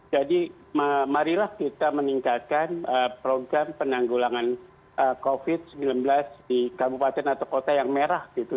jadi marilah kita meningkatkan program penanggulangan covid sembilan belas di kabupaten atau kota yang merah gitu